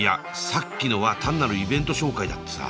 さっきのは単なるイベント紹介だってさ。